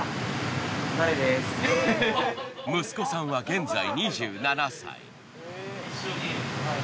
息子さんは現在２７歳。